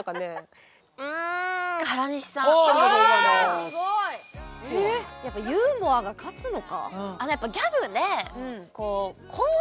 すごい！やっぱユーモアが勝つのか？